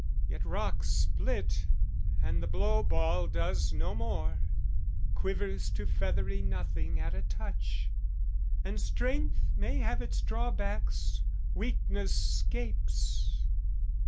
"Yet rocks split, and the blow ball does no more, "Quivers to feathery nothing at a touch; "And strength may have its drawback, weakness scapes."